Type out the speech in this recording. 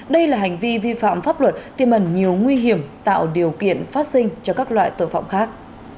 đây là hành vi vi phạm pháp luật tiêm ẩn nhiều nguy hiểm tạo điều kiện phát sinh cho các loại tội phạm khác